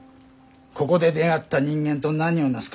ここで出会った人間と何を成すか。